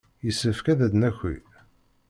Yessefk ad d-naki.